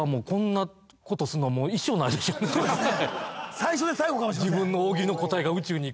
最初で最後かもしれません。